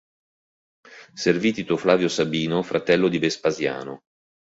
Servì Tito Flavio Sabino, fratello di Vespasiano.